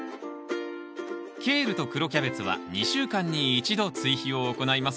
ケールと黒キャベツは２週間に１度追肥を行います。